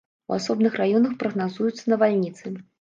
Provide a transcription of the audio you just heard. У асобных раёнах прагназуюцца навальніцы.